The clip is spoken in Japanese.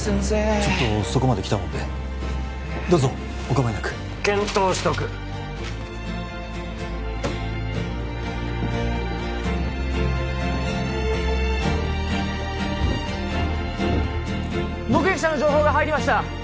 ちょっとそこまで来たもんでどうぞお構いなく検討しとく・目撃者の情報が入りました！